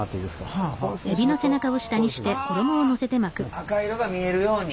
赤色が見えるように。